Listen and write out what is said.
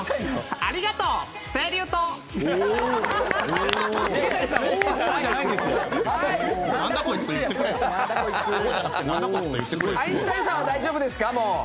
アインシュタインさんは大丈夫ですか？